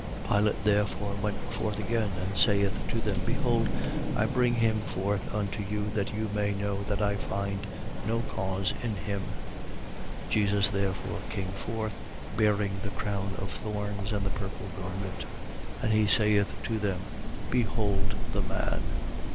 19:4. Pilate therefore went forth again and saith to them: Behold, I bring him forth unto you, that you may know that I find no cause in him. 19:5. (Jesus therefore came forth, bearing the crown of thorns and the purple garment.) And he saith to them: Behold the Man.